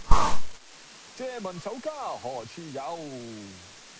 借問酒家何處有